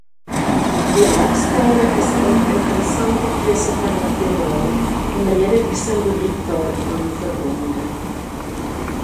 Die haakspelde is 'n interessante keuse van materiaal omrede die simboliek daaraan verbonde.